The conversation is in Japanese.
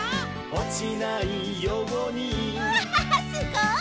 「おちないように」うわすごい！